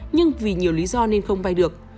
nhưng vì nhiều lý do nên không vai được